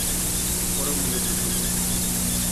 Foron momentos duros.